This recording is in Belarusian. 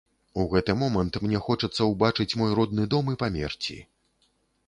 У гэты момант мне хочацца ўбачыць мой родны дом і памерці.